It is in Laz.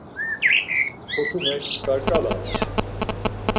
Kotumek ǩarǩalams.